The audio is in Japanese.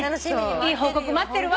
いい報告待ってるわ。